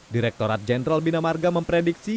direkturat jenderal bina marga memprediksi